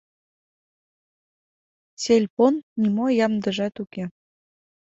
Сельпон нимо ямдыжат уке.